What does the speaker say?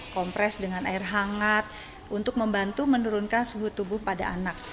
kompres dengan air hangat untuk membantu menurunkan suhu tubuh pada anak